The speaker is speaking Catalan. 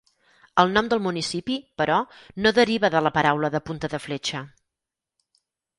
El nom del municipi, però, no deriva de la paraula de punta de fletxa.